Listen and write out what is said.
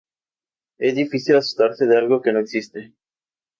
Es difícil asustarse de algo que no existe.